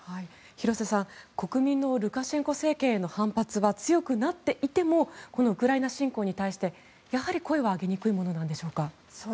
廣瀬さん、国民のルカシェンコ政権への反発が強くなっていてもウクライナ侵攻に対してやはり声は上げにくいものなんでしょうか。